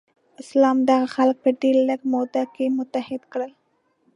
اسلام دغه خلک په ډیره لږه موده کې متحد کړل.